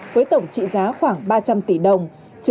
với tổng trị giá khoảng ba trăm linh tỷ đồng